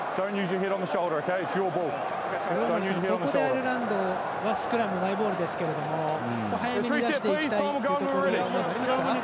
アイルランドはスクラムマイボールですけども早めに出していきたいところですか。